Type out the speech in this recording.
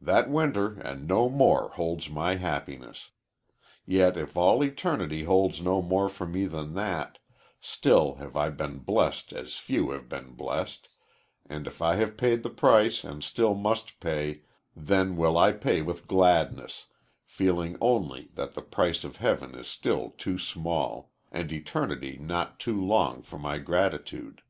"That winter and no more holds my happiness. Yet if all eternity holds no more for me than that, still have I been blest as few have been blest, and if I have paid the price and still must pay, then will I pay with gladness, feeling only that the price of heaven is still too small, and eternity not too long for my gratitude."